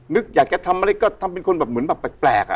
อยากจะทำอะไรก็ทำเป็นคนแบบเหมือนแบบแปลก